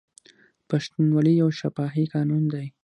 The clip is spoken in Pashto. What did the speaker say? پښتونولي یو شفاهي قانون دی.